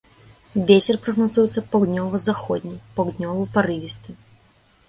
Вецер прагназуецца паўднёва-заходні, паўднёвы парывісты.